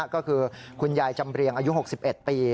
ก็คือคุณยายจำเรียงอายุ๖๑ปี